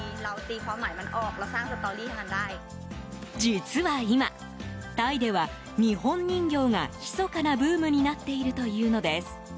実は今、タイでは日本人形が密かなブームになっているというのです。